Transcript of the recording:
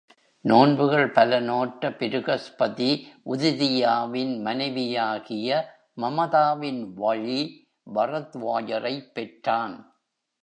நோன்புகள் பல நோற்ற பிருகஸ்பதி உததியாவின் மனைவியாகிய மமதாவின் வழி பரத்வாஜரைப் பெற்றான்.